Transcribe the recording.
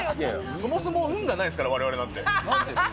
そもそも運がないですから、そうですか？